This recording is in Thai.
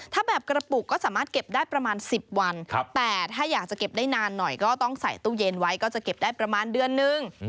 ถ้าแบบกระปุกก็สามารถเก็บได้ประมาณ๑๐วันแต่ถ้าอยากจะเก็บได้นานหน่อยก็ต้องใส่ตู้เย็นไว้ก็จะเก็บได้ประมาณเดือนนึง